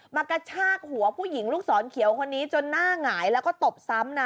กระชากหัวผู้หญิงลูกศรเขียวคนนี้จนหน้าหงายแล้วก็ตบซ้ำนะ